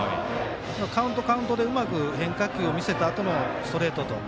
カウント、カウントでうまく変化球を見せたあとのストレートと。